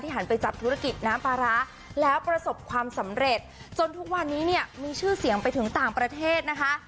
หันไปจับธุรกิจน้ำปลาร้าแล้วประสบความสำเร็จจนทุกวันนี้เนี่ยมีชื่อเสียงไปถึงต่างประเทศนะคะ